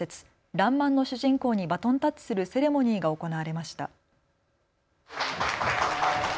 らんまんの主人公にバトンタッチするセレモニーが行われました。